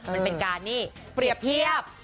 มันเป็นการนี่เปรียบเทียบ